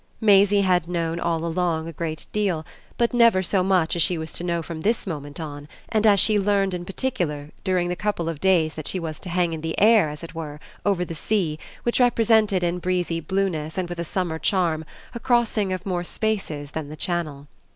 Maisie had known all along a great deal, but never so much as she was to know from this moment on and as she learned in particular during the couple of days that she was to hang in the air, as it were, over the sea which represented in breezy blueness and with a summer charm a crossing of more spaces than the Channel.